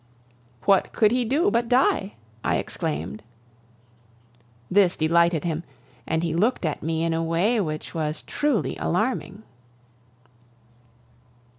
"What could he do but die?" I exclaimed. This delighted him, and he looked at me in a way which was truly alarming.